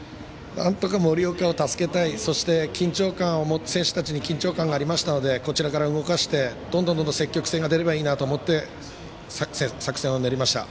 なんとか森岡を助けたいのと選手たちに緊張感がありましたのでこちらから動かしてどんどん積極性が出ればいいなと思って作戦を練りました。